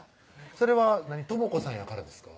それは倫子さんやからですか？